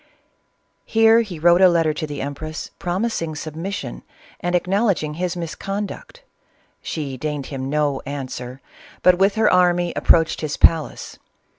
Here he wrote a letter to the empress, promising submission and acknowledging his misconduct. She deigned him no answer, but with her army approached his palace.